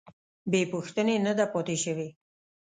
بې پوښتنې نه ده پاتې شوې.